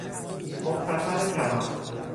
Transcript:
مختصر کلام